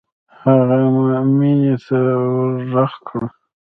هغه مينې ته ورږغ کړه.